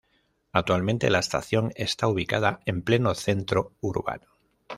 Actualmente, la estación está ubicada en pleno centro urbano.